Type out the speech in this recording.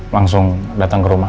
langsung datang ke rumah